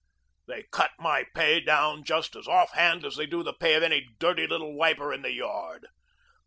They cut my pay down just as off hand as they do the pay of any dirty little wiper in the yard.